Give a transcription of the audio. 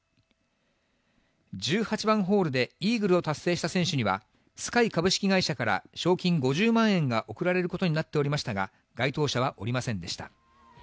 １８番ホールでイーグルを達成した選手には、Ｓｋｙ株式会社から賞金５０万円が贈られることになっておりましたが、該当者はおりませんでした。